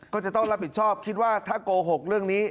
ก็จะต้องรับผิดชอบคิดว่าถ้าโกหกเรื่องนี้